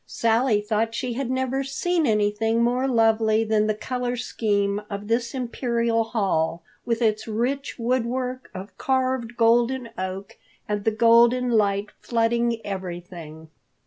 Sally thought she had never seen anything more lovely than the color scheme of this imperial hall, with its rich woodwork of carved golden oak, and the golden light flooding everything.